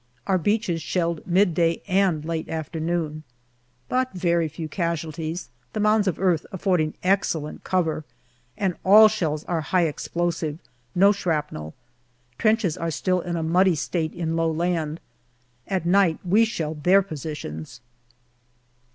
Our beaches shelled midday and late afternoon. But very few casualties, the mounds of earth affording excellent cover, and all shells are high explosive, no shrapnel. Trenches are still in muddy state in low land. At night we shell their positions.